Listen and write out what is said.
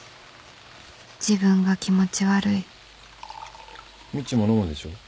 自分が気持ち悪いみちも飲むでしょ？